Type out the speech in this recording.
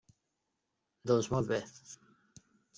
Doncs, molt bé.